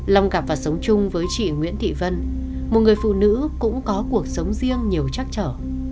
long gặp và sống chung với chị nguyễn thị vân một người phụ nữ cũng có cuộc sống riêng nhiều trắc trở